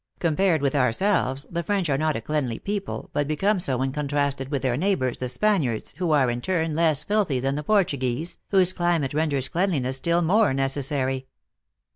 Compared with ourselves, the French are not a cleanly people, but become so when contrasted with their neighbors, the Spaniards, who are, in turn, less filthy than the Portuguese, whose climate renders cleanliness still more necessary."